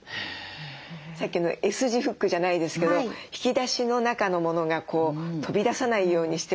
さっきのＳ字フックじゃないですけど引き出しの中のものが飛び出さないようにしておくと片づけも楽ですか？